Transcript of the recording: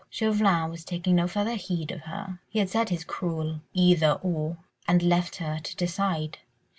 Chauvelin was taking no further heed of her. He had said his cruel "Either—or—" and left her to decide.